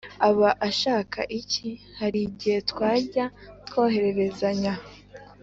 aba ashaka iki Hari igihe twajya twohererezanya